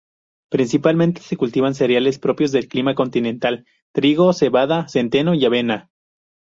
Principalmente, se cultivan cereales propios del clima continental: trigo, cebada, centeno y avena.